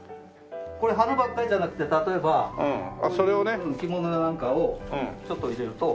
これ花ばっかりじゃなくて例えばこういう木物やなんかをちょっと入れるとまた。